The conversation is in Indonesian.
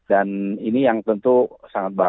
dan ini yang tentu sangat bagus